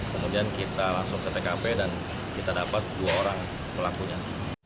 kemudian kita langsung ke tkp dan kita dapat dua orang pelakunya